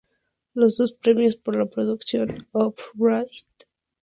Los dos premios por la producción Off-Broadway de "Dear Evan Hansen".